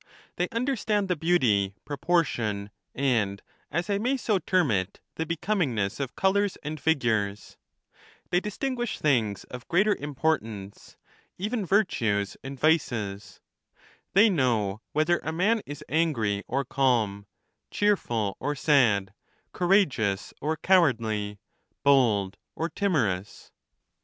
They understand the beau ty, proportion, and, as I may so term it, tlie becomingness of colors and figures; they distinguish things of greater importance, even virtues and vices ; they know whether a man is angry or calm, cheerful or sad, courageous or cow ardly, bold or timorous.